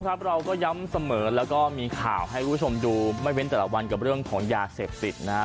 ครับเราก็ย้ำเสมอแล้วก็มีข่าวให้คุณผู้ชมดูไม่เว้นแต่ละวันกับเรื่องของยาเสพติดนะฮะ